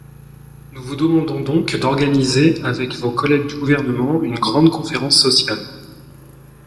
Nous vous demandons donc d’organiser, avec vos collègues du Gouvernement, une grande conférence sociale.